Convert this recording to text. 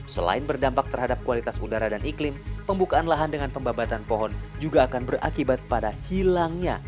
selain berdampak terhadap kualitas udara dan iklim pembukaan lahan dengan pembabatan pohon juga akan berakibat pada hilangnya